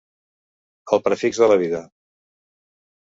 El prefix de la vida.